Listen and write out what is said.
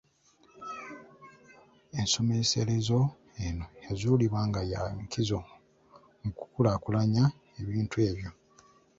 Ensomeserezo eno yazuulibwa nga ya nkizo mu kukulaakulanya ebintu ebyo.